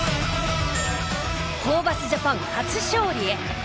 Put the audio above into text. ホーバスジャパン初勝利へ。